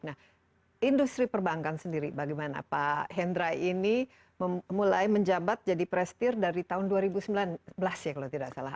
nah industri perbankan sendiri bagaimana pak hendra ini mulai menjabat jadi prestir dari tahun dua ribu sembilan belas ya kalau tidak salah